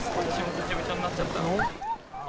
びちょびちょになっちゃった？